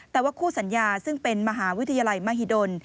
แต่ว่าคู่สัญญาซึ่งเป็นมหาวิทยาลัยมหิดล